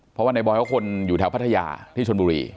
เพราะว่าในบอยเขาคนอยู่แถวพัทยาที่ชนบุรี